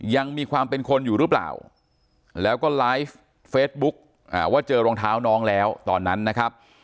ยังมีความเป็นคนอยู่หรือเปล่าแล้วก็ไลฟ์เฟซบุ๊คว่าเจอรองเท้าน้องแล้วตอนนั้นนะครับ